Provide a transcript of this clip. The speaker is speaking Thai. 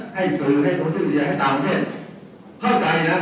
ให้สื่อให้คนที่เรียนให้ต่างประเทศเข้าใจนะ